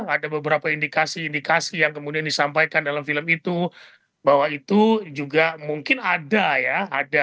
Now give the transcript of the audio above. ada beberapa indikasi indikasi yang kemudian disampaikan dalam film itu bahwa itu juga mungkin ada ya